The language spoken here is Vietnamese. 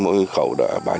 tôi thấy cái điều đó là cái